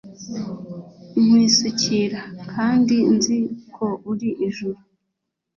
Nkwisukira kandi nzi ko uri ijuru,